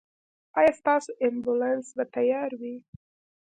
ایا ستاسو امبولانس به تیار وي؟